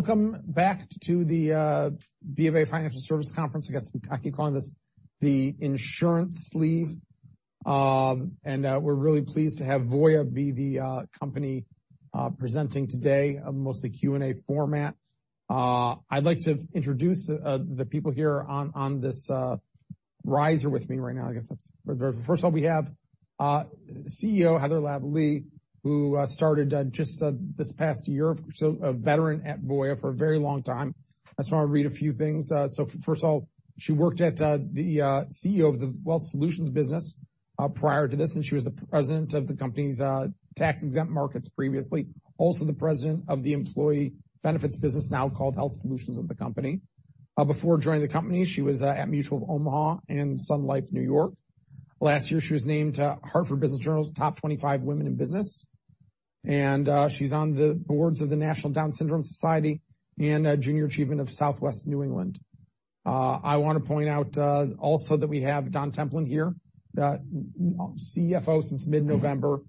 Welcome back to the BofA Financial Service Conference. I guess I can call this the insurance sleeve. We're really pleased to have Voya be the company presenting today, mostly Q&A format. I'd like to introduce the people here on this riser with me right now. First of all, we have CEO Heather Lavallee, who started just this past year. A veteran at Voya for a very long time. I just want to read a few things. First of all, she worked at the CEO of the Wealth Solutions business prior to this, and she was the president of the company's tax-exempt markets previously, also the president of the employee benefits business now called Health Solutions of the company. Before joining the company, she was at Mutual of Omaha and Sun Life New York. Last year, she was named Hartford Business Journal's Top 25 Women in Business. She's on the boards of the National Down Syndrome Society and Junior Achievement of Southwest New England. I want to point out also that we have Don Templin here, CFO since mid-November,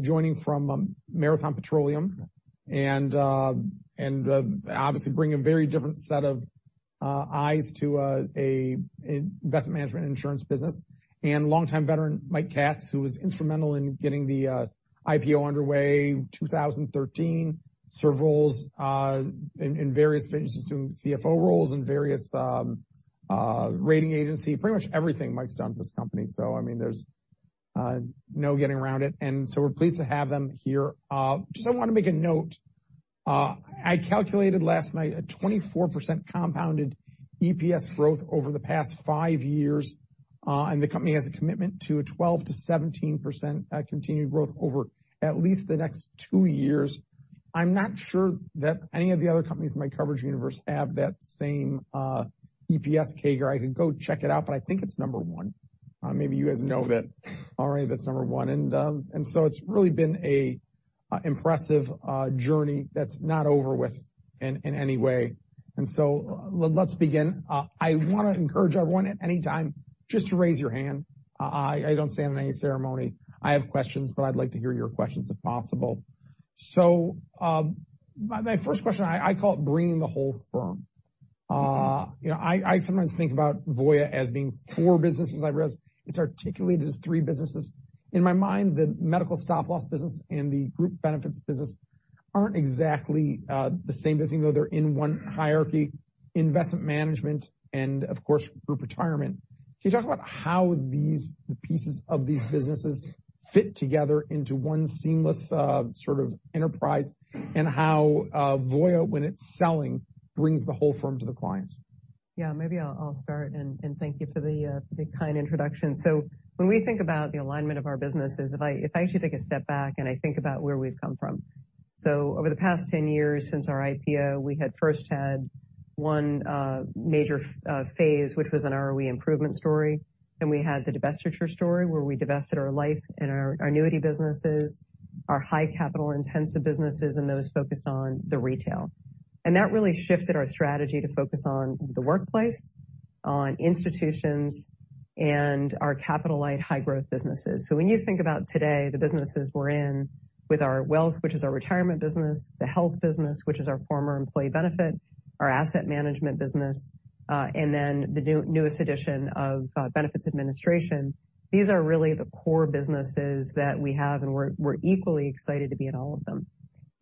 joining from Marathon Petroleum and obviously bring a very different set of eyes to a investment management insurance business. Longtime veteran Michael Katz, who was instrumental in getting the IPO underway in 2013. Several in various positions doing CFO roles in various rating agency. Pretty much everything Mike's done at this company, so, I mean, there's no getting around it. We're pleased to have them here. Just I want to make a note. I calculated last night a 24% compounded EPS growth over the past 5 years, and the company has a commitment to a 12%-17% continued growth over at least the next 2 years. I'm not sure that any of the other companies in my coverage universe have that same EPS CAGR. I could go check it out, I think it's number one. Maybe you guys know that already that's number one. It's really been a impressive journey that's not over with in any way. Let's begin. I want to encourage everyone at any time just to raise your hand. I don't stand on any ceremony. I have questions, but I'd like to hear your questions, if possible. My, my first question, I call it bringing the whole firm. You know, I sometimes think about Voya as being four businesses I've read. It's articulated as three businesses. In my mind, the medical stop loss business and the group benefits business aren't exactly the same business, even though they're in one hierarchy, investment management and, of course, group retirement. Can you talk about how these, the pieces of these businesses fit together into one seamless, sort of enterprise, and how Voya, when it's selling, brings the whole firm to the clients? Maybe I'll start and thank you for the kind introduction. When we think about the alignment of our businesses, if I actually take a step back and I think about where we've come from. Over the past 10 years since our IPO, we had first had one major phase, which was an ROE improvement story. We had the divestiture story, where we divested our life and our annuity businesses, our high capital intensive businesses, and those focused on the retail. That really shifted our strategy to focus on the workplace, on institutions, and our capital light high-growth businesses. When you think about today, the businesses we're in with our Wealth, which is our retirement business, the Health business, which is our former employee benefit, our asset management business, and then the newest addition of benefits administration, these are really the core businesses that we have, and we're equally excited to be in all of them.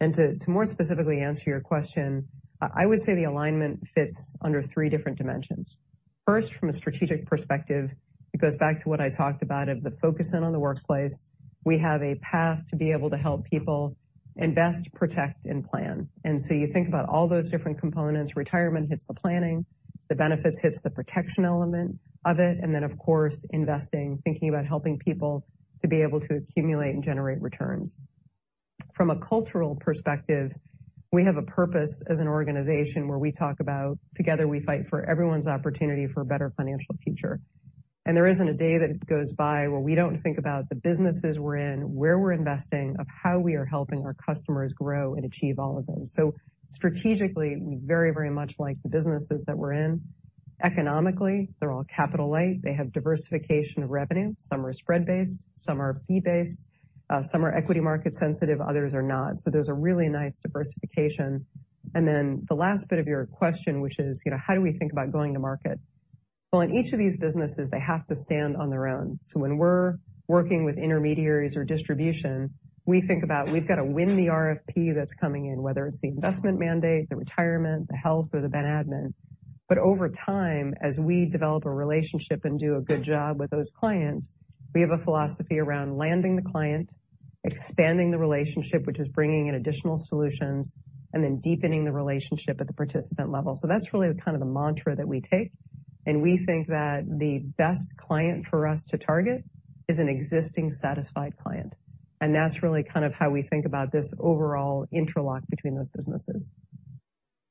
To more specifically answer your question, I would say the alignment fits under three different dimensions. First, from a strategic perspective, it goes back to what I talked about of the focus in on the workplace. We have a path to be able to help people invest, protect, and plan. You think about all those different components. Retirement hits the planning, the benefits hits the protection element of it, and then, of course, investing, thinking about helping people to be able to accumulate and generate returns. From a cultural perspective, we have a purpose as an organization where we talk about together we fight for everyone's opportunity for a better financial future. There isn't a day that goes by where we don't think about the businesses we're in, where we're investing, of how we are helping our customers grow and achieve all of those. Strategically, we very, very much like the businesses that we're in. Economically, they're all capital light. They have diversification of revenue. Some are spread-based, some are fee-based, some are equity market sensitive, others are not. There's a really nice diversification. The last bit of your question, which is, you know, how do we think about going to market? Well, in each of these businesses, they have to stand on their own. When we're working with intermediaries or distribution, we think about we've got to win the RFP that's coming in, whether it's the investment mandate, the retirement, the health or the ben admin. Over time, as we develop a relationship and do a good job with those clients, we have a philosophy around landing the client, expanding the relationship, which is bringing in additional solutions, and then deepening the relationship at the participant level. That's really kind of the mantra that we take, and we think that the best client for us to target is an existing satisfied client. That's really kind of how we think about this overall interlock between those businesses.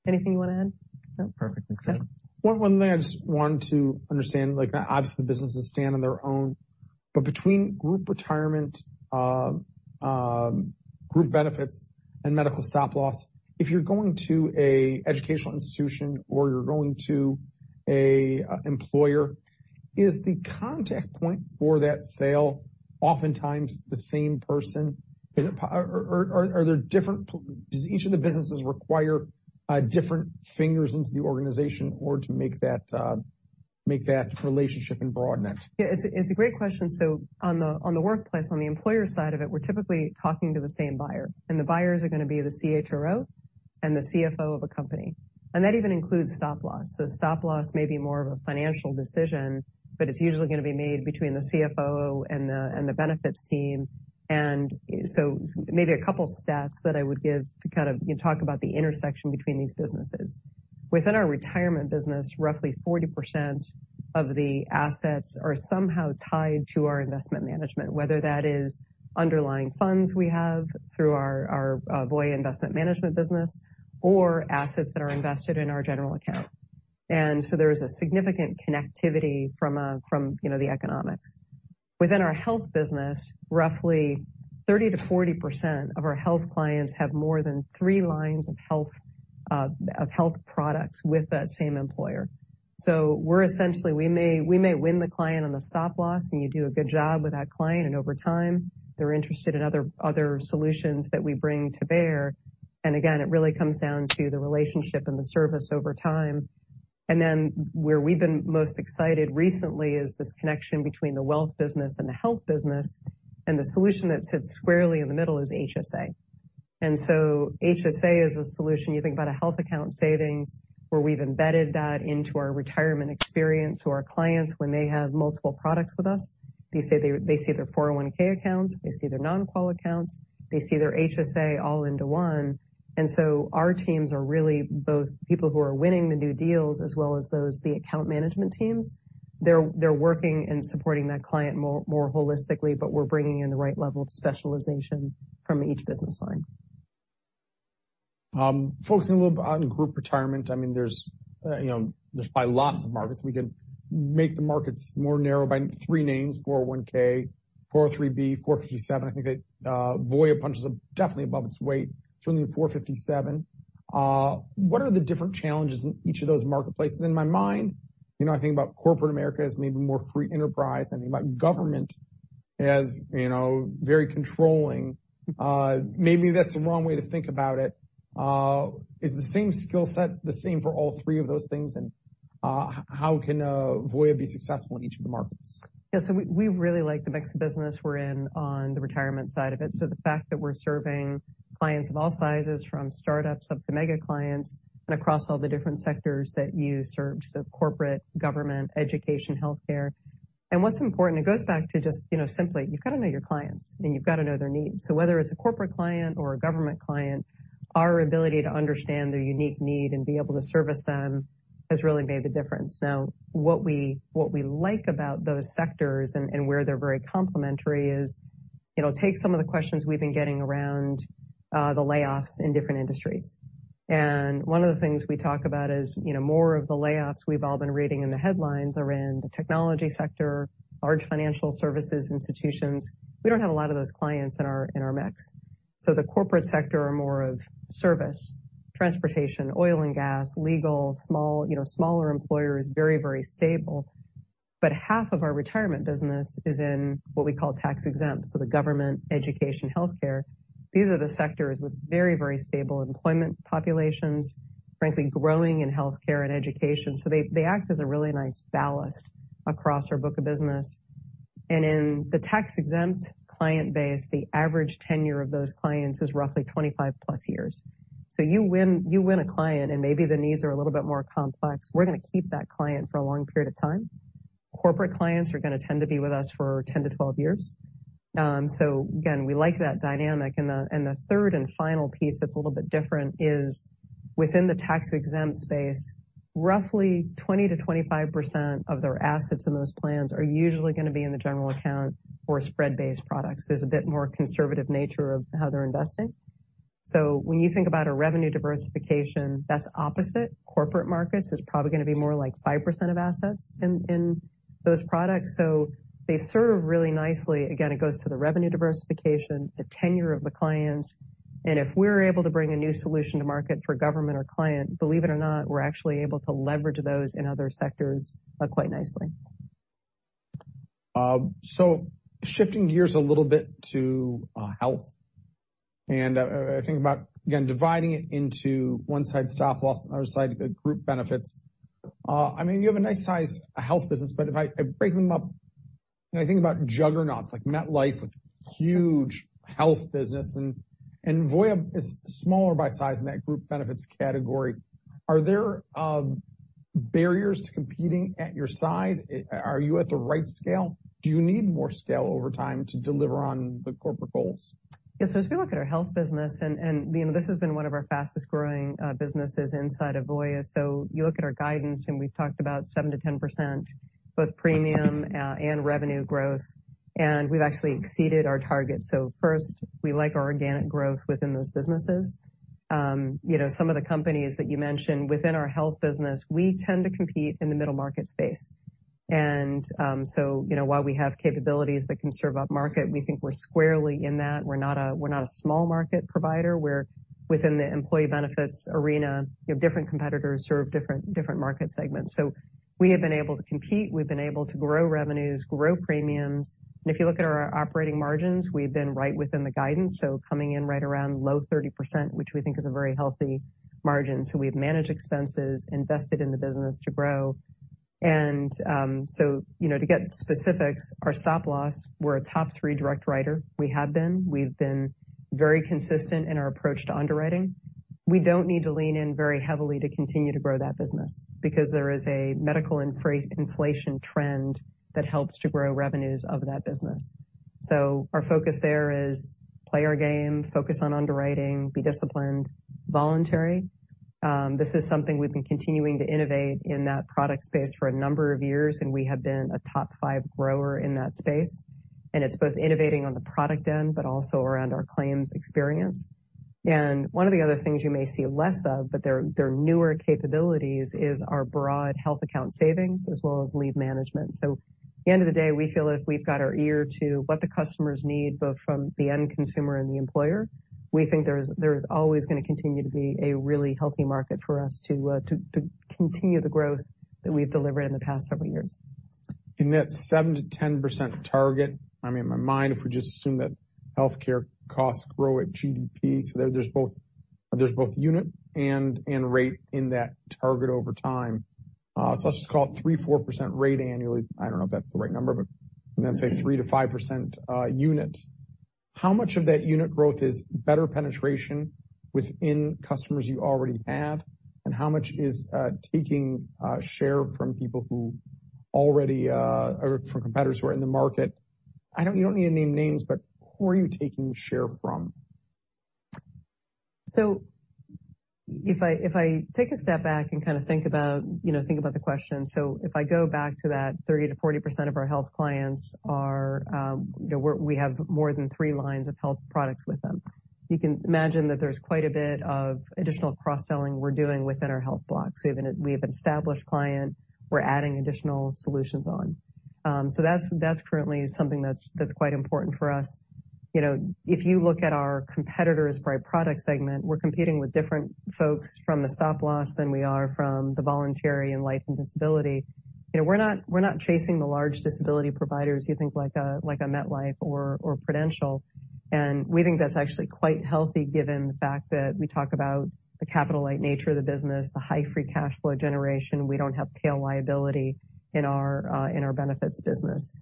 Anything you want to add? No? Perfect. Thanks. Okay. One thing I just want to understand, like, obviously businesses stand on their own, but between group retirement, group benefits and medical stop loss, if you're going to a educational institution or you're going to a employer, is the contact point for that sale oftentimes the same person? Or are there different? Does each of the businesses require different fingers into the organization or to make that relationship and broaden it? It's a great question. On the workplace, on the employer side of it, we're typically talking to the same buyer, and the buyers are gonna be the CHRO and the CFO of a company. That even includes stop loss. Stop loss may be more of a financial decision, but it's usually gonna be made between the CFO and the benefits team. Maybe a couple stats that I would give to kind of talk about the intersection between these businesses. Within our retirement business, roughly 40% of the assets are somehow tied to our investment management, whether that is underlying funds we have through our Voya Investment Management business or assets that are invested in our general account. There is a significant connectivity from, you know, the economics. Within our health business, roughly 30%-40% of our health clients have more than 3 lines of health products with that same employer. We're essentially we may win the client on the stop loss, and you do a good job with that client, and over time, they're interested in other solutions that we bring to bear. Again, it really comes down to the relationship and the service over time. Where we've been most excited recently is this connection between the wealth business and the health business. The solution that sits squarely in the middle is HSA. HSA is a solution. You think about a health account savings, where we've embedded that into our retirement experience or our clients when they have multiple products with us. They say they see their 401(k) accounts, they see their non-qual accounts, they see their HSA all into one. Our teams are really both people who are winning the new deals as well as those, the account management teams. They're working and supporting that client more holistically, we're bringing in the right level of specialization from each business line. Focusing a little bit on group retirement, I mean, there's, you know, there's probably lots of markets. We can make the markets more narrow by 3 names, 401(k), 403(b), 457(b). I think that Voya punches definitely above its weight, certainly in 457(b). What are the different challenges in each of those marketplaces? In my mind, you know, I think about corporate America as maybe more free enterprise. I think about government as, you know, very controlling. Maybe that's the wrong way to think about it. Is the same skill set the same for all 3 of those things? How can Voya be successful in each of the markets? We really like the mix of business we're in on the retirement side of it. The fact that we're serving clients of all sizes, from startups up to mega clients and across all the different sectors that you serve, corporate, government, education, healthcare. What's important, it goes back to just, you know, simply you've got to know your clients, and you've got to know their needs. Whether it's a corporate client or a government client, our ability to understand their unique need and be able to service them has really made the difference. Now, what we like about those sectors and where they're very complementary is, you know, take some of the questions we've been getting around the layoffs in different industries. One of the things we talk about is, you know, more of the layoffs we've all been reading in the headlines are in the technology sector, large financial services institutions. We don't have a lot of those clients in our, in our mix. The corporate sector are more of service, transportation, oil and gas, legal, small, you know, smaller employers, very, very stable. Half of our retirement business is in what we call tax-exempt, so the government, education, healthcare. These are the sectors with very, very stable employment populations, frankly, growing in healthcare and education. They, they act as a really nice ballast across our book of business. In the tax-exempt client base, the average tenure of those clients is roughly 25+ years. You win a client, and maybe the needs are a little bit more complex. We're gonna keep that client for a long period of time. Corporate clients are gonna tend to be with us for 10-12 years. again, we like that dynamic. The third and final piece that's a little bit different is within the tax-exempt space, roughly 20%-25% of their assets in those plans are usually gonna be in the general account or spread-based products. There's a bit more conservative nature of how they're investing. When you think about a revenue diversification that's opposite corporate markets, it's probably gonna be more like 5% of assets in those products. They serve really nicely. It goes to the revenue diversification, the tenure of the clients, and if we're able to bring a new solution to market for government or client, believe it or not, we're actually able to leverage those in other sectors, quite nicely. Shifting gears a little bit to health, and I think about, again, dividing it into one side stop loss and other side group benefits. I mean, you have a nice size health business, but if I break them up and I think about juggernauts like MetLife with huge health business and Voya is smaller by size in that group benefits category. Are there barriers to competing at your size? Are you at the right scale? Do you need more scale over time to deliver on the corporate goals? Yes. As we look at our health business, and, you know, this has been one of our fastest-growing businesses inside of Voya. You look at our guidance, and we've talked about 7%-10% both premium and revenue growth, and we've actually exceeded our target. First, we like our organic growth within those businesses. You know, some of the companies that you mentioned within our health business, we tend to compete in the middle market space. And, you know, while we have capabilities that can serve upmarket, we think we're squarely in that. We're not a small market provider. We're within the employee benefits arena. You have different competitors serve different market segments. We have been able to compete. We've been able to grow revenues, grow premiums, and if you look at our operating margins, we've been right within the guidance, coming in right around low 30%, which we think is a very healthy margin. We've managed expenses, invested in the business to grow. You know, to get specifics, our stop loss, we're a top 3 direct writer. We have been. We've been very consistent in our approach to underwriting. We don't need to lean in very heavily to continue to grow that business because there is a medical inflation trend that helps to grow revenues of that business. Our focus there is play our game, focus on underwriting, be disciplined. Voluntary, this is something we've been continuing to innovate in that product space for a number of years, and we have been a top 5 grower in that space. It's both innovating on the product end but also around our claims experience. One of the other things you may see less of, but they're newer capabilities, is our broad health account savings as well as lead management. At the end of the day, we feel if we've got our ear to what the customers need, both from the end consumer and the employer, we think there's always gonna continue to be a really healthy market for us to continue the growth that we've delivered in the past several years. In that 7%-10% target, I mean, in my mind, if we just assume that healthcare costs grow at GDP, so there's both, there's both unit and rate in that target over time. So let's just call it 3%-4% rate annually. I don't know if that's the right number, but let's say 3%-5% unit. How much of that unit growth is better penetration within customers you already have, and how much is taking share from people who already or from competitors who are in the market? You don't need to name names, but who are you taking share from? If I, if I take a step back and kind of think about, you know, think about the question, if I go back to that 30%-40% of our health clients are, you know, we have more than 3 lines of health products with them. You can imagine that there's quite a bit of additional cross-selling we're doing within our health blocks. We have an established client. We're adding additional solutions on. That's currently something that's quite important for us. You know, if you look at our competitors by product segment, we're competing with different folks from the stop loss than we are from the voluntary and life and disability. You know, we're not chasing the large disability providers you think like a MetLife or Prudential. We think that's actually quite healthy given the fact that we talk about the capital-light nature of the business, the high free cash flow generation. We don't have tail liability in our benefits business.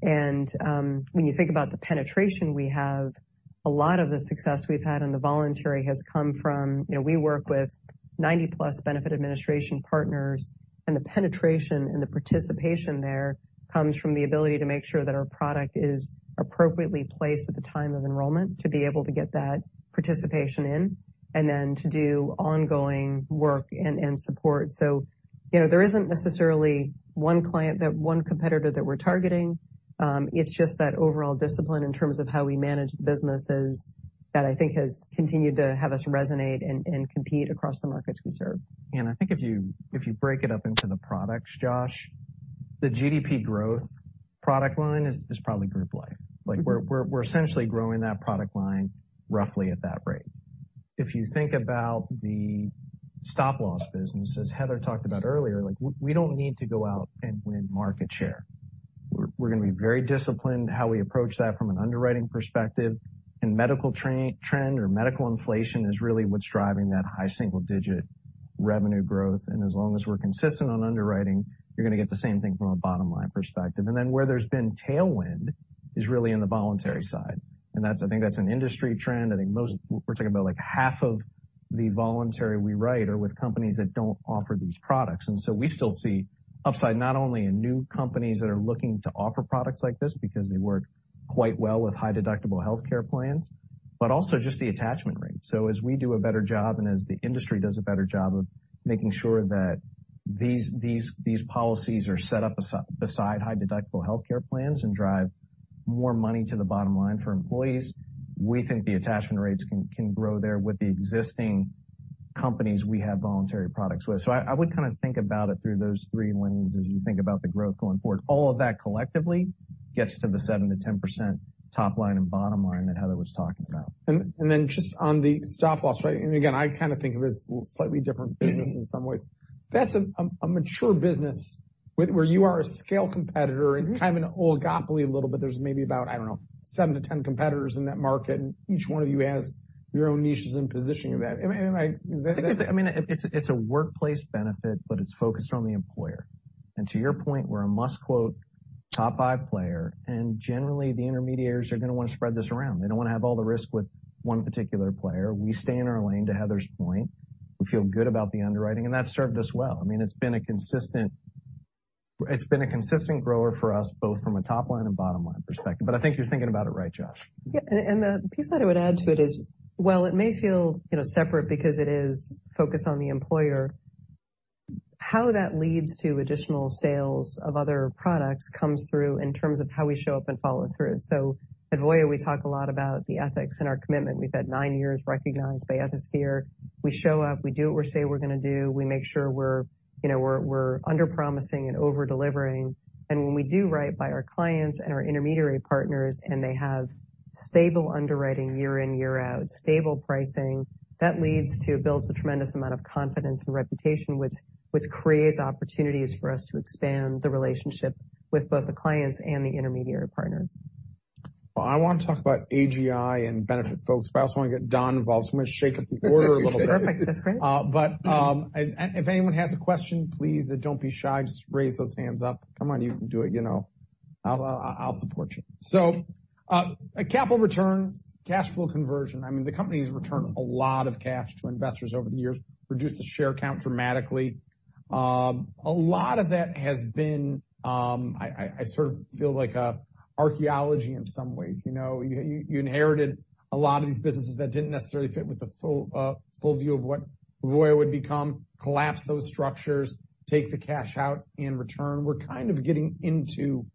When you think about the penetration we have, a lot of the success we've had in the voluntary has come from, you know, we work with 90-plus benefit administration partners, and the penetration and the participation there comes from the ability to make sure that our product is appropriately placed at the time of enrollment to be able to get that participation in, and then to do ongoing work and support. You know, there isn't necessarily one client that one competitor that we're targeting it's just that overall discipline in terms of how we manage the businesses that I think has continued to have us resonate and compete across the markets we serve. If you break it up into the products, Josh, the GDP growth product line is probably group life. We're essentially growing that product line roughly at that rate. If you think about the stop loss business, as Heather talked about earlier, we don't need to go out and win market share. We're gonna be very disciplined how we approach that from an underwriting perspective, and medical trend or medical inflation is really what's driving that high single digit revenue growth. As long as we're consistent on underwriting, you're gonna get the same thing from a bottom line perspective. Then where there's been tailwind is really in the voluntary side. That's I think that's an industry trend. I think most. We're talking about, like, half of the voluntary we write are with companies that don't offer these products. We still see upside not only in new companies that are looking to offer products like this because they work quite well with high deductible healthcare plans, but also just the attachment rate. As we do a better job and as the industry does a better job of making sure that these policies are set up beside high deductible healthcare plans and drive more money to the bottom line for employees, we think the attachment rates can grow there with the existing companies we have voluntary products with. I would kind of think about it through those three lenses as you think about the growth going forward. All of that collectively gets to the 7%-10% top line and bottom line that Heather was talking about. Just on the stop loss, right, and again, I kind of think of it as slightly different business in some ways. That's a mature business where you are a scale competitor and kind of an oligopoly a little bit. There's maybe about, I don't know, seven to 10 competitors in that market, and each one of you has your own niches and positioning of that. Is that fair? I mean, it's a workplace benefit, but it's focused on the employer. To your point, we're a must-quote top 5 player, and generally, the intermediaries are gonna wanna spread this around. They don't wanna have all the risk with one particular player. We stay in our lane, to Heather's point. We feel good about the underwriting, and that's served us well. I mean, it's been a consistent grower for us, both from a top line and bottom line perspective. I think you're thinking about it right, Josh. The piece that I would add to it is, while it may feel, you know, separate because it is focused on the employer. How that leads to additional sales of other products comes through in terms of how we show up and follow through. At Voya, we talk a lot about the ethics and our commitment. We've had nine years recognized by Ethisphere. We show up, we do what we say we're gonna do, we make sure we're, you know, under-promising and over-delivering. When we do right by our clients and our intermediary partners, and they have stable underwriting year in, year out, stable pricing, that leads to builds a tremendous amount of confidence and reputation, which creates opportunities for us to expand the relationship with both the clients and the intermediary partners. Well, I wanna talk about AGI and Benefitfocus, but I also wanna get Don involved, so I'm gonna shake up the order a little bit. Perfect. That's great. If anyone has a question, please don't be shy. Just raise those hands up. Come on, you can do it, you know. I'll support you. A capital return, cash flow conversion, I mean, the company's returned a lot of cash to investors over the years, reduced the share count dramatically. A lot of that has been, I sort of feel like archaeology in some ways. You know, you inherited a lot of these businesses that didn't necessarily fit with the full view of what Voya would become, collapsed those structures, take the cash out and return. We're kind of getting into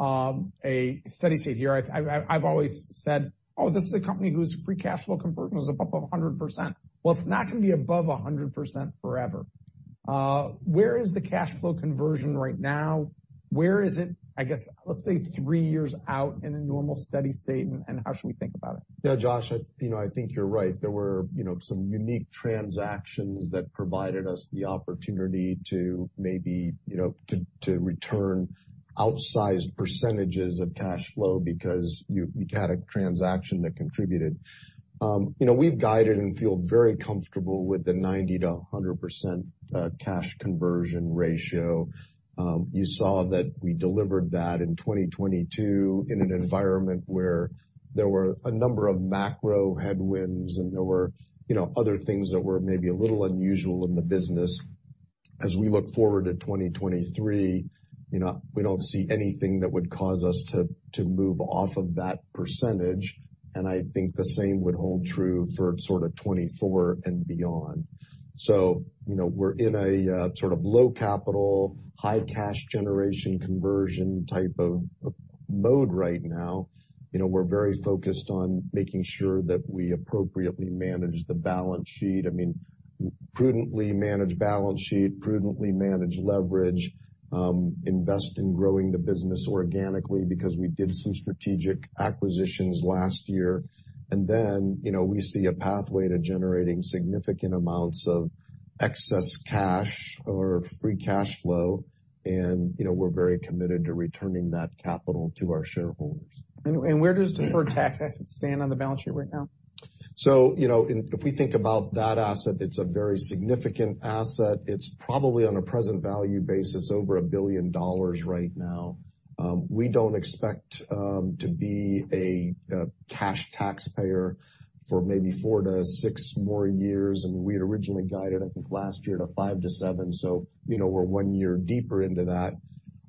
a steady state here. I've always said, "Oh, this is a company whose free cash flow conversion was above 100%." Well, it's not gonna be above 100% forever. Where is the cash flow conversion right now? Where is it, I guess, let's say, three years out in a normal steady state, and how should we think about it? Josh, you know, I think you're right. There were, you know, some unique transactions that provided us the opportunity to maybe, you know, to return outsized percentages of cash flow because you had a transaction that contributed. You know, we've guided and feel very comfortable with the 90%-100% cash conversion ratio. You saw that we delivered that in 2022 in an environment where there were a number of macro headwinds, there were, you know, other things that were maybe a little unusual in the business. As we look forward to 2023, you know, we don't see anything that would cause us to move off of that percentage, I think the same would hold true for sort of 2024 and beyond. You know, we're in a sort of low capital, high cash generation conversion type of mode right now. You know, we're very focused on making sure that we appropriately manage the balance sheet. I mean, prudently manage balance sheet, prudently manage leverage, invest in growing the business organically because we did some strategic acquisitions last year. Then, you know, we see a pathway to generating significant amounts of excess cash or free cash flow. You know, we're very committed to returning that capital to our shareholders. Where does deferred tax assets stand on the balance sheet right now? You know, and if we think about that asset, it's a very significant asset. It's probably on a present value basis over $1 billion right now. We don't expect to be a cash taxpayer for maybe 4-6 more years, and we had originally guided, I think, last year to 5-7. You know, we're 1 year deeper into that.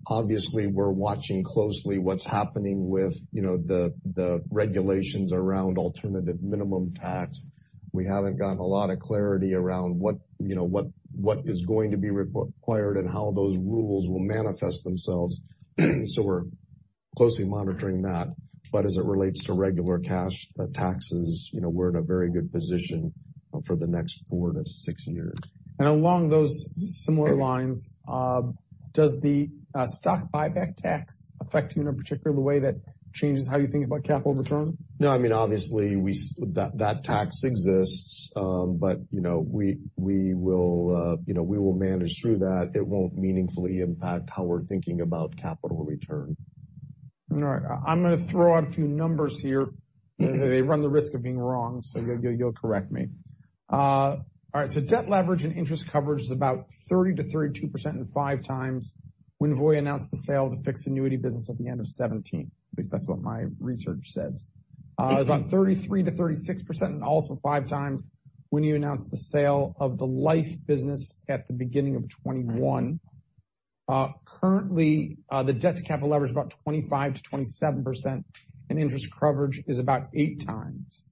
Obviously, we're watching closely what's happening with, you know, the regulations around alternative minimum tax. We haven't gotten a lot of clarity around what, you know, what is going to be re-required and how those rules will manifest themselves, so we're closely monitoring that. As it relates to regular cash taxes, you know, we're in a very good position for the next 4-6 years. Along those similar lines, does the stock buyback tax affect you in a particular way that changes how you think about capital return? No. I mean, obviously we that tax exists. You know, we will, you know, we will manage through that. It won't meaningfully impact how we're thinking about capital return. All right. I'm gonna throw out a few numbers here. They run the risk of being wrong, you'll correct me. All right, so debt leverage and interest coverage is about 30%-32% and 5 times when Voya announced the sale of the fixed annuity business at the end of 2017. At least that's what my research says. About 33%-36% and also 5 times when you announced the sale of the life business at the beginning of 2021. Currently, the debt to capital leverage is about 25%-27%, and interest coverage is about 8 times.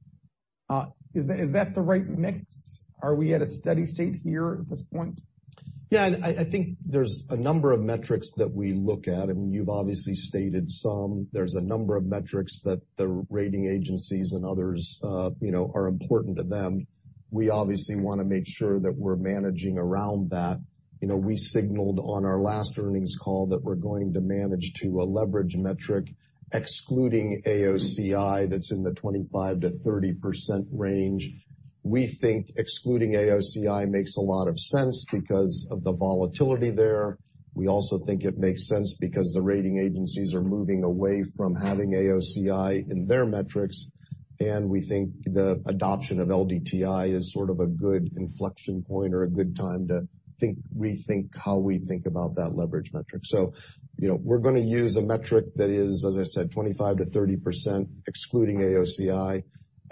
Is that the right mix? Are we at a steady state here at this point? I think there's a number of metrics that we look at, and you've obviously stated some. There's a number of metrics that the rating agencies and others, you know, are important to them. We obviously wanna make sure that we're managing around that. You know, we signaled on our last earnings call that we're going to manage to a leverage metric excluding AOCI that's in the 25%-30% range. We think excluding AOCI makes a lot of sense because of the volatility there. We also think it makes sense because the rating agencies are moving away from having AOCI in their metrics, and we think the adoption of LDTI is sort of a good inflection point or a good time to rethink how we think about that leverage metric you know, we're gonna use a metric that is, as I said, 25%-30% excluding AOCI.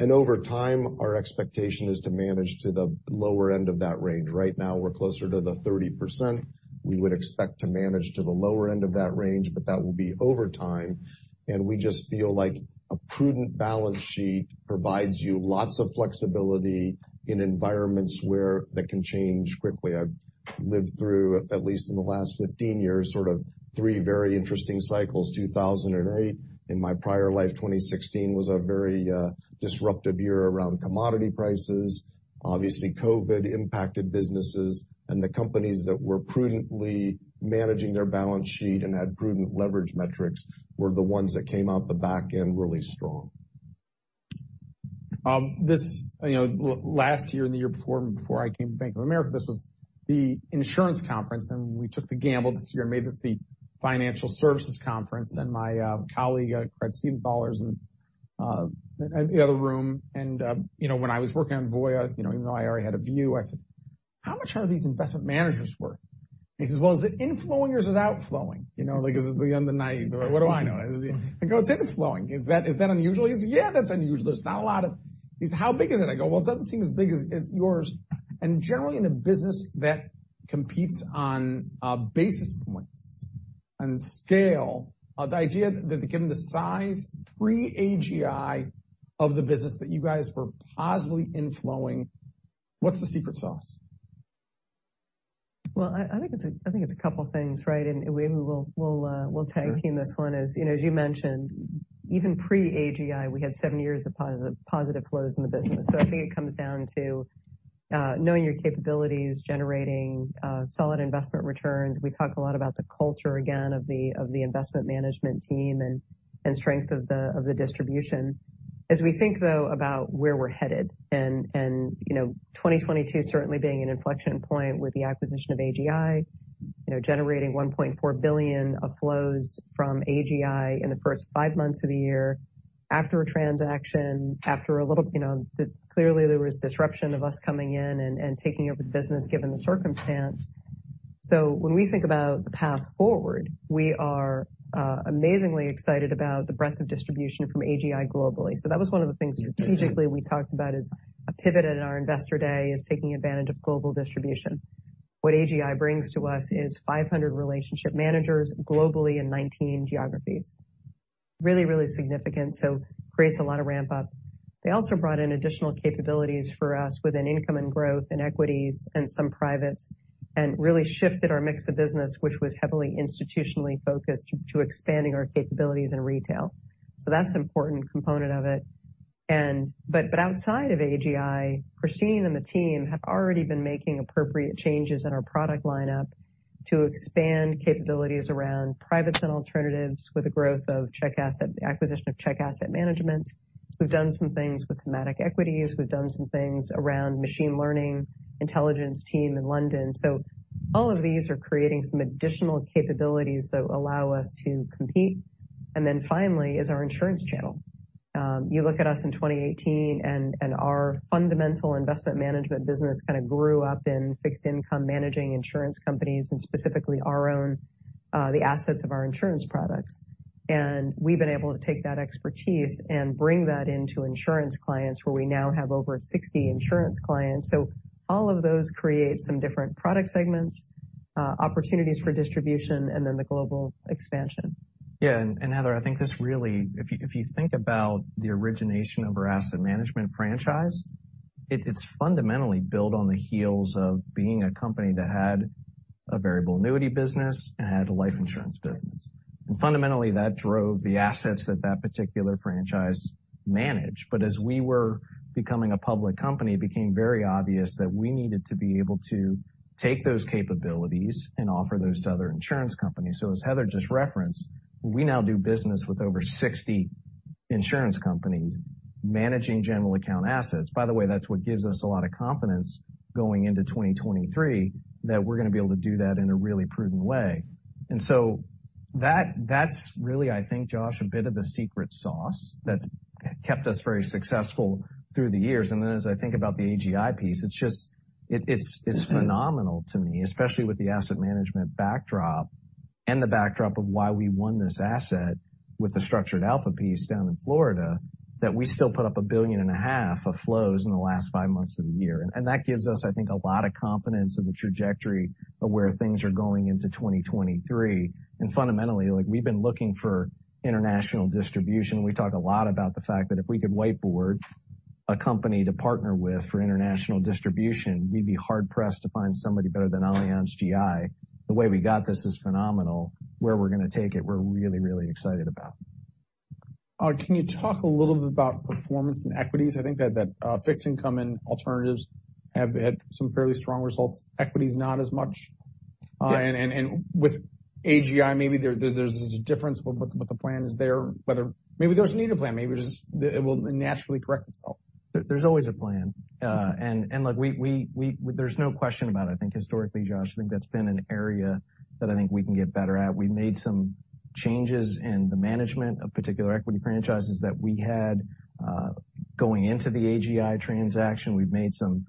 Over time, our expectation is to manage to the lower end of that range. Right now, we're closer to the 30%. We would expect to manage to the lower end of that range, that will be over time. We just feel like a prudent balance sheet provides you lots of flexibility in environments where that can change quickly. I've lived through, at least in the last 15 years, sort of three very interesting cycles. 2008. In my prior life, 2016 was a very disruptive year around commodity prices. Obviously, COVID impacted businesses. The companies that were prudently managing their balance sheet and had prudent leverage metrics were the ones that came out the back end really strong. This, you know, last year and the year before I came to Bank of America, this was the insurance conference, and we took the gamble this year and made this the financial services conference. My colleague, Christine Hurtsellers in the other room. You know, when I was working on Voya, you know, even though I already had a view, I said, "How much are these investment managers worth?" He says, "Well, is it inflowing or is it outflowing?" You know, like, this is the end of the night. What do I know? I go, "It's inflowing. Is that, is that unusual?" He said, ", that's unusual. There's not a lot of." He said, "How big is it?" I go, "Well, it doesn't seem as big as yours." Generally in a business that competes on basis points and scale, the idea that given the size pre-AGI of the business that you guys were positively inflowing, what's the secret sauce? I think it's a couple things, right? Maybe we'll tag team this one. You know, as you mentioned, even pre-AGI, we had seven years of positive flows in the business. I think it comes down to knowing your capabilities, generating solid investment returns. We talk a lot about the culture again of the Investment Management team and strength of the distribution. We think though about where we're headed and, you know, 2022 certainly being an inflection point with the acquisition of AGI, you know, generating $1.4 billion of flows from AGI in the first five months of the year after a transaction. Clearly there was disruption of us coming in and taking over the business given the circumstance. When we think about the path forward, we are amazingly excited about the breadth of distribution from AGI globally. That was one of the things strategically we talked about is a pivot at our investor day is taking advantage of global distribution. What AGI brings to us is 500 relationship managers globally in 19 geographies. Really, really significant. Creates a lot of ramp up. They also brought in additional capabilities for us within income and growth and equities and some privates, and really shifted our mix of business, which was heavily institutionally focused, to expanding our capabilities in retail. That's an important component of it. But outside of AGI, Christine Hurtsellers and the team have already been making appropriate changes in our product lineup to expand capabilities around privates and alternatives with the growth of Czech Asset, the acquisition of Czech Asset Management. We've done some things with thematic equities. We've done some things around machine learning, intelligence team in London. All of these are creating some additional capabilities that allow us to compete. Finally is our insurance channel. You look at us in 2018 and our fundamental investment management business kind of grew up in fixed income managing insurance companies and specifically our own, the assets of our insurance products. We've been able to take that expertise and bring that into insurance clients, where we now have over 60 insurance clients. All of those create some different product segments, opportunities for distribution, and then the global expansion. Heather, I think this really, if you think about the origination of our asset management franchise, it's fundamentally built on the heels of being a company that had a variable annuity business and had a life insurance business. Fundamentally, that drove the assets that particular franchise managed. As we were becoming a public company, it became very obvious that we needed to be able to take those capabilities and offer those to other insurance companies. As Heather just referenced, we now do business with over 60 insurance companies managing general account assets. By the way, that's what gives us a lot of confidence going into 2023 that we're going to be able to do that in a really prudent way. That, that's really, I think, Josh, a bit of the secret sauce that's kept us very successful through the years. As I think about the AGI piece, it's just, it's phenomenal to me, especially with the asset management backdrop and the backdrop of why we won this asset with the Structured Alpha piece down in Florida, that we still put up a billion and a half of flows in the last 5 months of the year. That gives us, I think, a lot of confidence in the trajectory of where things are going into 2023. Fundamentally, like we've been looking for international distribution. We talk a lot about the fact that if we could whiteboard a company to partner with for international distribution, we'd be hard-pressed to find somebody better than AllianzGI. The way we got this is phenomenal. Where we're going to take it, we're really, really excited about. Can you talk a little bit about performance and equities? I think that fixed income and alternatives have had some fairly strong results. Equities not as much. With AllianzGI, maybe there's a difference. What the plan is there, whether maybe there doesn't need a plan, maybe just it will naturally correct itself. There's always a plan. look, there's no question about it. I think historically, Josh, I think that's been an area that I think we can get better at. We made some changes in the management of particular equity franchises that we had, going into the AGI transaction. We've made some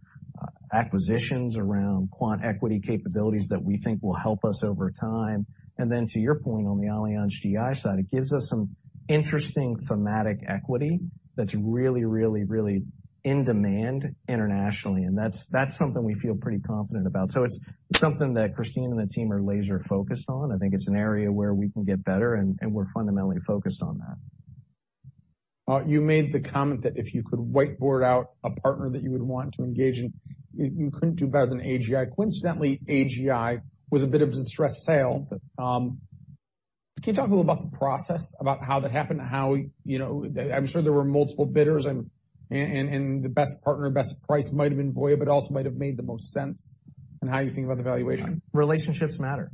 acquisitions around quant equity capabilities that we think will help us over time. To your point on the AllianzGI side, it gives us some interesting thematic equity that's really in demand internationally, and that's something we feel pretty confident about. It's something that Christine and the team are laser-focused on. I think it's an area where we can get better, and we're fundamentally focused on that. You made the comment that if you could whiteboard out a partner that you would want to engage in, you couldn't do better than AGI. Coincidentally, AGI was a bit of a distressed sale. Can you talk a little about the process, about how that happened and how, you know, I'm sure there were multiple bidders and the best partner, best price might have been Voya, but also might have made the most sense, and how you think about the valuation. Relationships matter.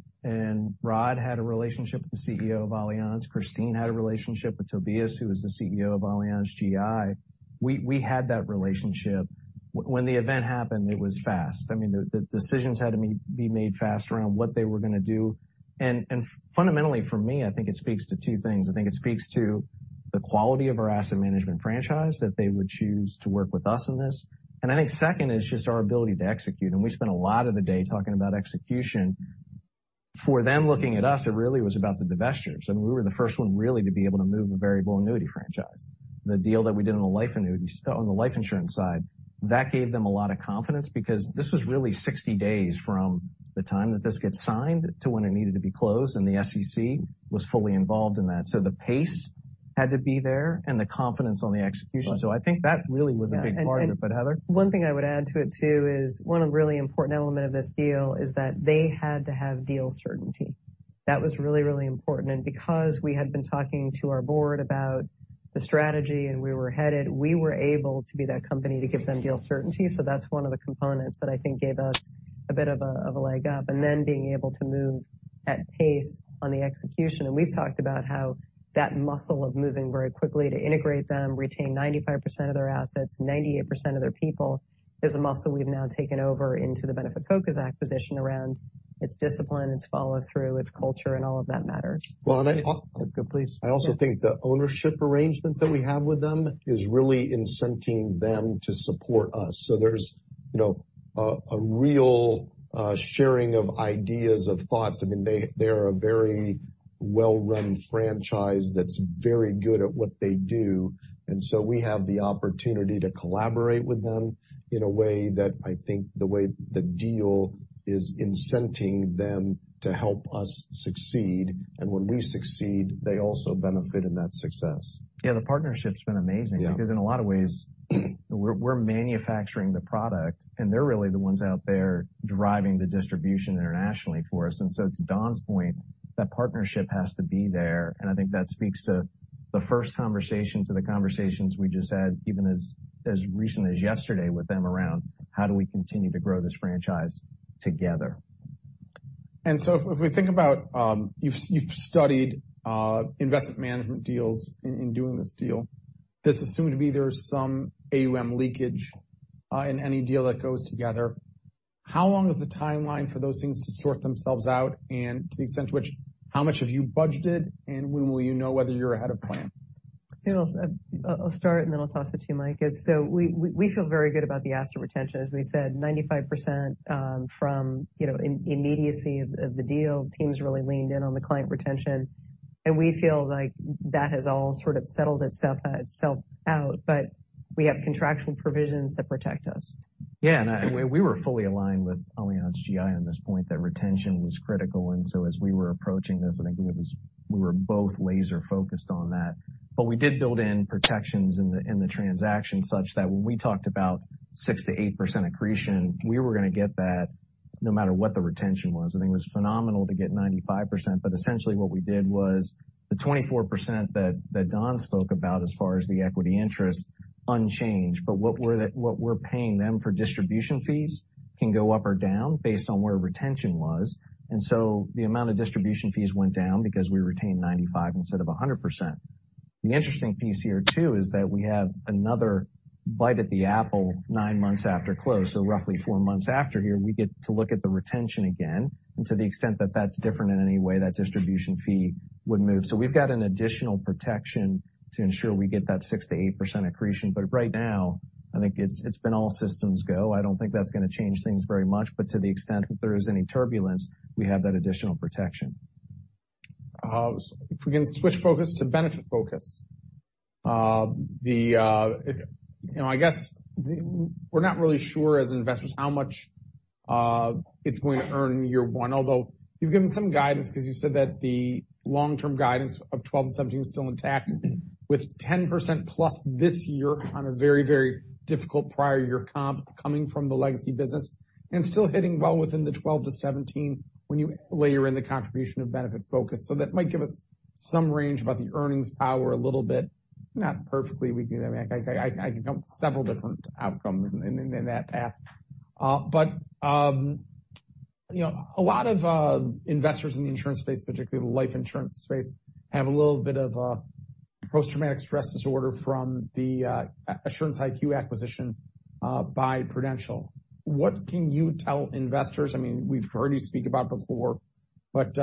Rod had a relationship with the CEO of Allianz. Christine had a relationship with Tobias, who was the CEO of AllianzGI. We had that relationship. When the event happened, it was fast. I mean, the decisions had to be made fast around what they were going to do. Fundamentally for me, I think it speaks to two things. I think it speaks to the quality of our asset management franchise that they would choose to work with us in this. I think second is just our ability to execute. We spent a lot of the day talking about execution. For them looking at us, it really was about the divestitures, and we were the first one really to be able to move a variable annuity franchise. The deal that we did on the life annuity on the life insurance side, that gave them a lot of confidence because this was really 60 days from the time that this gets signed to when it needed to be closed, and the SEC was fully involved in that. The pace had to be there and the confidence on the execution. I think that really was a big part of it. Heather? One thing I would add to it too is one really important element of this deal is that they had to have deal certainty. That was really, really important. Because we had been talking to our board about the strategy and where we were headed, we were able to be that company to give them deal certainty. That's one of the components that I think gave us a bit of a leg up, and then being able to move at pace on the execution. We've talked about how that muscle of moving very quickly to integrate them, retain 95% of their assets, 98% of their people is a muscle we've now taken over into the Benefitfocus acquisition around its discipline, its follow-through, its culture, and all of that matters. Well, I. Go, please. I also think the ownership arrangement that we have with them is really incenting them to support us. There's, you know, a real sharing of ideas, of thoughts. I mean, they are a very well-run franchise that's very good at what they do. We have the opportunity to collaborate with them in a way that I think the way the deal is incenting them to help us succeed. When we succeed, they also benefit in that success. The partnership's been amazing. In a lot of ways, we're manufacturing the product, and they're really the ones out there driving the distribution internationally for us. To Don's point, that partnership has to be there. I think that speaks to the first conversation, to the conversations we just had, even as recently as yesterday with them around how do we continue to grow this franchise together. If we think about, you've studied investment management deals in doing this deal, this is soon to be there's some AUM leakage, in any deal that goes together. How long is the timeline for those things to sort themselves out? To the extent which, how much have you budgeted, and when will you know whether you're ahead of plan? I'll start, then I'll toss it to you, Mike. We feel very good about the asset retention. As we said, 95%, you know, from immediacy of the deal, teams really leaned in on the client retention. We feel like that has all sort of settled itself out. We have contractual provisions that protect us. We were fully aligned with AllianzGI on this point, that retention was critical. As we were approaching this, I think it was we were both laser-focused on that. We did build in protections in the, in the transaction such that when we talked about 6%-8% accretion, we were going to get that no matter what the retention was. I think it was phenomenal to get 95%. Essentially what we did was the 24% that Don spoke about as far as the equity interest unchanged. What we're paying them for distribution fees can go up or down based on where retention was. The amount of distribution fees went down because we retained 95 instead of 100%. The interesting piece here too is that we have another bite at the apple nine months after close. Roughly four months after here, we get to look at the retention again. To the extent that that's different in any way, that distribution fee would move. We've got an additional protection to ensure we get that 6%-8% accretion. Right now, I think it's been all systems go. I don't think that's going to change things very much, but to the extent that there is any turbulence, we have that additional protection. If we can switch focus to Benefitfocus. You know, I guess we're not really sure as investors how much it's going to earn in year one, although you've given some guidance because you said that the long-term guidance of 12 and 17 is still intact with 10%+ this year on a very, very difficult prior year comp coming from the legacy business and still hitting well within the 12-17 when you layer in the contribution of Benefitfocus. That might give us some range about the earnings power a little bit. Not perfectly. We can, I can count several different outcomes in that path. You know, a lot of investors in the insurance space, particularly the life insurance space, have a little bit of a post-traumatic stress disorder from the Assurance IQ acquisition by Prudential. What can you tell investors? I mean, we've heard you speak about before, but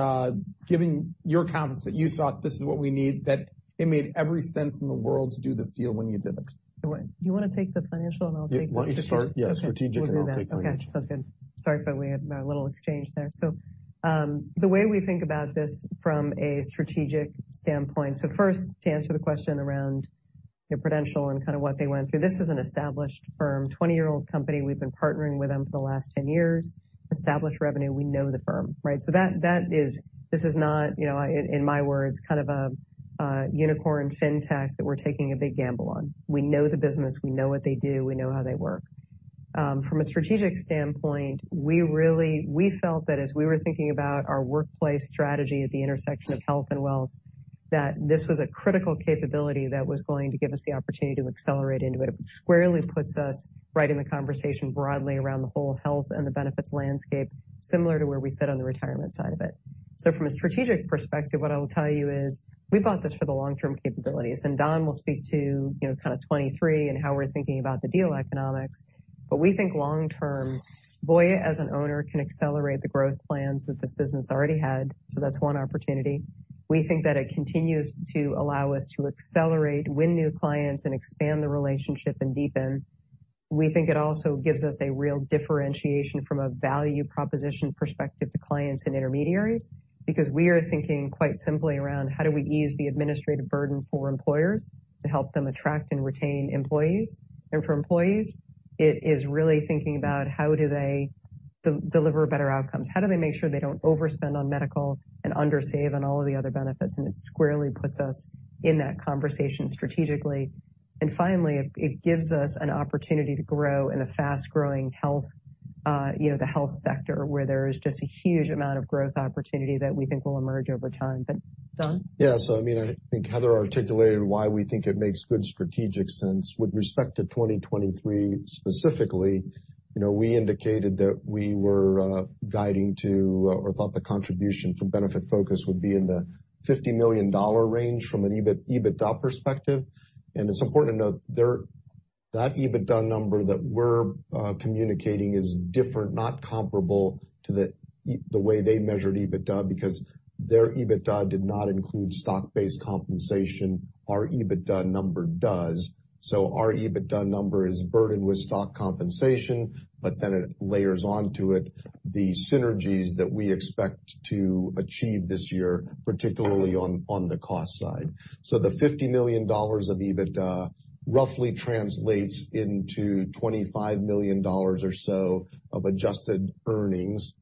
given your comments that you thought this is what we need, that it made every sense in the world to do this deal when you did it. You want to take the financial and I'll take the strategic? Why don't you start?, strategic. We'll do that. Okay. Sounds good. Sorry for that, we had a little exchange there. The way we think about this from a strategic standpoint, first to answer the question around Prudential and kind of what they went through. This is an established firm, 20-year-old company. We've been partnering with them for the last 10 years. Established revenue. We know the firm, right? That is this is not, you know, in my words, kind of a unicorn fintech that we're taking a big gamble on. We know the business. We know what they do. We know how they work. From a strategic standpoint, we felt that as we were thinking about our workplace strategy at the intersection of health and wealth, that this was a critical capability that was going to give us the opportunity to accelerate into it. It squarely puts us right in the conversation broadly around the whole health and the benefits landscape, similar to where we sit on the retirement side of it. From a strategic perspective, what I will tell you is we bought this for the long-term capabilities, and Don will speak to, you know, kind of 23 and how we're thinking about the deal economics. We think long term, Voya, as an owner, can accelerate the growth plans that this business already had. That's one opportunity. We think that it continues to allow us to accelerate, win new clients, and expand the relationship and deepen. We think it also gives us a real differentiation from a value proposition perspective to clients and intermediaries, because we are thinking quite simply around how do we ease the administrative burden for employers to help them attract and retain employees. For employees, it is really thinking about how do they deliver better outcomes, how do they make sure they don't overspend on medical and under save on all of the other benefits. It squarely puts us in that conversation strategically. Finally, it gives us an opportunity to grow in a fast-growing health, you know, the health sector, where there is just a huge amount of growth opportunity that we think will emerge over time. Don? I mean, I think Heather articulated why we think it makes good strategic sense. With respect to 2023 specifically, you know, we indicated that we were guiding to or thought the contribution from Benefitfocus would be in the $50 million range from an EBIT, EBITDA perspective. It's important to note there. That EBITDA number that we're communicating is different, not comparable to the way they measured EBITDA because their EBITDA did not include stock-based compensation. Our EBITDA number does. Our EBITDA number is burdened with stock compensation, it layers onto it the synergies that we expect to achieve this year, particularly on the cost side. The $50 million of EBITDA roughly translates into $25 million or so of adjusted earnings.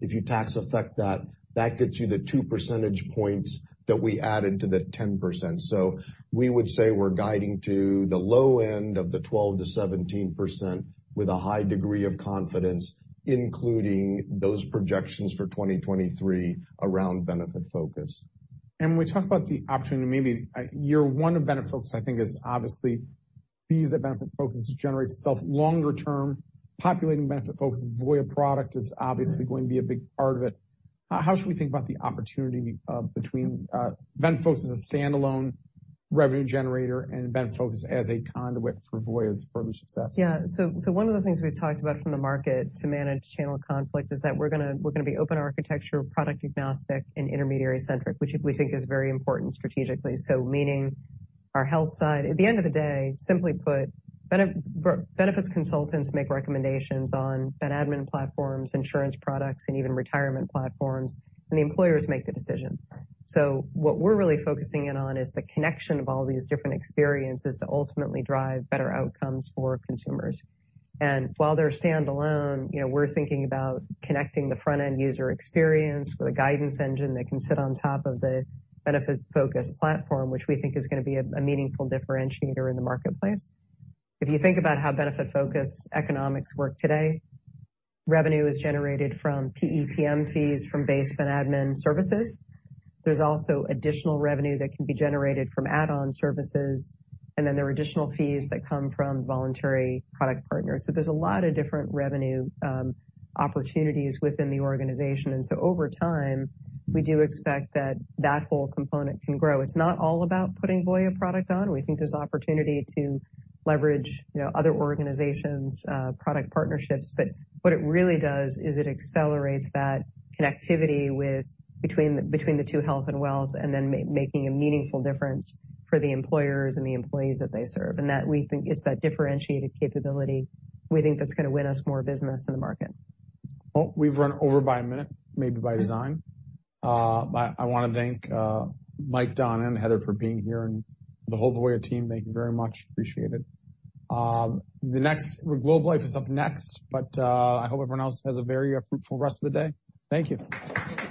If you tax effect that gets you the 2 percentage points that we added to the 10%. We would say we're guiding to the low end of the 12%-17% with a high degree of confidence, including those projections for 2023 around Benefitfocus. When we talk about the opportunity, maybe year one of Benefitfocus, I think is obviously fees that Benefitfocus generates itself. Longer-term, populating Benefitfocus Voya product is obviously going to be a big part of it. How should we think about the opportunity, between, Benefitfocus as a standalone revenue generator and Benefitfocus as a conduit for Voya's further success? One of the things we've talked about from the market to manage channel conflict is that we're gonna be open architecture, product agnostic, and intermediary centric, which we think is very important strategically. Meaning our health side, at the end of the day, simply put, benefits consultants make recommendations on ben admin platforms, insurance products, and even retirement platforms, and the employers make the decision. What we're really focusing in on is the connection of all these different experiences to ultimately drive better outcomes for consumers. While they're standalone, you know, we're thinking about connecting the front-end user experience with a guidance engine that can sit on top of the Benefitfocus platform, which we think is gonna be a meaningful differentiator in the marketplace. If you think about how Benefitfocus economics work today, revenue is generated from PEPM fees from base ben admin services. There's also additional revenue that can be generated from add-on services, and then there are additional fees that come from voluntary product partners. There's a lot of different revenue opportunities within the organization. Over time, we do expect that that whole component can grow. It's not all about putting Voya product on. We think there's opportunity to leverage, you know, other organizations, product partnerships. But what it really does is it accelerates that connectivity between the two health and wealth and then making a meaningful difference for the employers and the employees that they serve. We think it's that differentiated capability we think that's gonna win us more business in the market. Well, we've run over by a minute, maybe by design. I wanna thank Mike, Don, and Heather for being here and the whole Voya team. Thank you very much. Appreciate it. Globe Life is up next. I hope everyone else has a very fruitful rest of the day. Thank you.